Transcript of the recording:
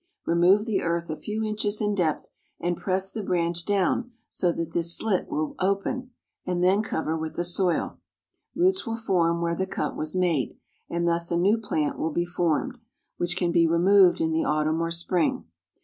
Remove the earth a few inches in depth, and press the branch down so that this slit will open, and then cover with the soil. Roots will form where the cut was made, and thus a new plant will be formed, which can be removed in the autumn or spring.